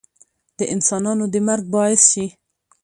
د انسانانو د مرګ باعث شي